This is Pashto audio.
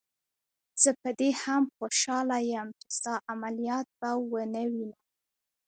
زه په دې هم خوشحاله یم چې ستا عملیات به ونه وینم.